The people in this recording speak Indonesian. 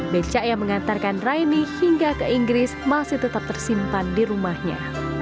becak yang mengantarkan raini hingga ke inggris masih tetap tersimpan di rumahnya